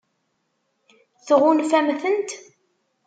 Tɣunfam-tent?